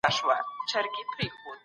ولي د انرژۍ لګښت د تولید بیه اغېزمنوي؟